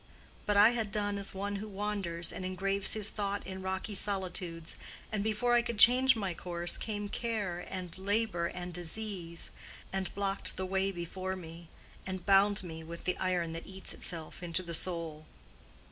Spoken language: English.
But I had done as one who wanders and engraves his thought in rocky solitudes, and before I could change my course came care and labor and disease, and blocked the way before me, and bound me with the iron that eats itself into the soul.